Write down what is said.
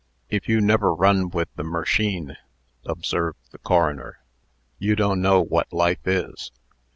"If you never run with the mersheen," observed the coroner, "you do' 'no' wot life is.